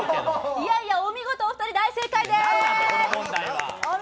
いやいやお見事、お二人大正解です。